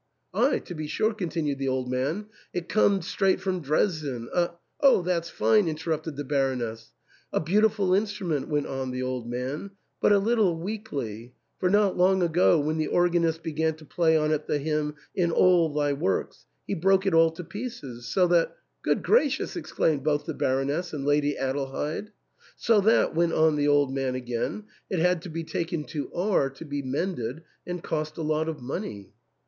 Aye, to be sure," continued the old man ;" it comed straight from Dresden ; a "—^(" Oh, that's fine !" interrupted the Baroness) —" a beautiful instrument," went on the old man, "but a little weakly ; for not long ago, when the organist began to play on it the hymn * In all Thy works,'* he broke it all to pieces, so that" — ("Good gracious !" exclaimed both the Baroness and Lady Adelheid) — "so that," went on the old man again, "it had to be taken to R to be mended, and cost a lot of money."